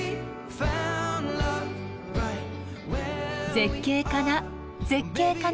絶景かな絶景かな